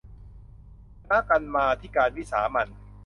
คณะกรรมาธิการวิสามัญ